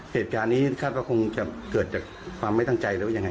เหตุการณ์นี้คาดว่าคงจะเกิดจากความไม่ตั้งใจหรือว่ายังไง